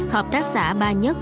hợp tác xã ba nhất